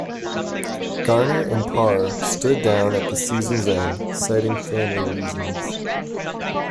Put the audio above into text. Garner and Parr stood down at the season's end, citing family reasons.